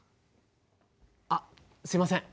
あっすいません。